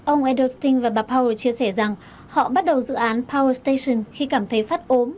ông edelstein và bà powell chia sẻ rằng họ bắt đầu dự án power station khi cảm thấy phát ốm